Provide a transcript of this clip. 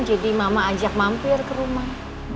jadi mama ajak mampir ke rumah